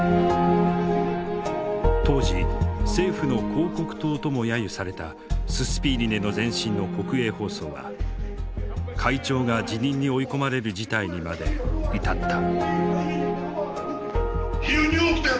当時政府の広告塔とも揶揄されたススピーリネの前身の国営放送は会長が辞任に追い込まれる事態にまで至った。